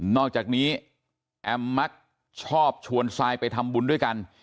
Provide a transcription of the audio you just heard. อกจากนี้แอมมักชอบชวนทรายไปทำบุญด้วยกัน